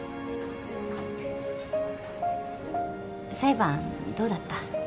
裁判どうだった？